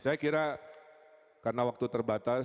saya kira karena waktu terbatas